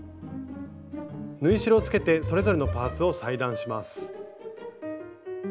縫い代をつけてそれぞれのパーツを裁断します。